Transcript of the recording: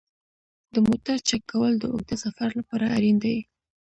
د موټر چک کول د اوږده سفر لپاره اړین دي.